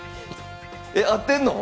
え合ってんの？